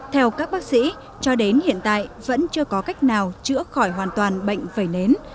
theo các bác sĩ cho đến hiện tại vẫn chưa có cách nào chữa khỏi hoàn toàn bệnh vẩy nến